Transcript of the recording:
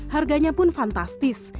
harganya pun fantastis